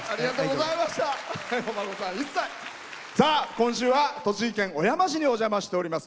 今週は栃木県小山市にお邪魔しております。